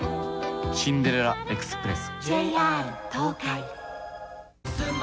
シンデレラエクスプレス。